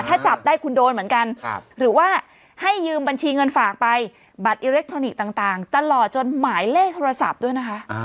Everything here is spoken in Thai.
ถ้าจับได้คุณโดนเหมือนกันหรือว่าให้ยืมบัญชีเงินฝากไปบัตรอิเล็กทรอนิกส์ต่างตลอดจนหมายเลขโทรศัพท์ด้วยนะคะ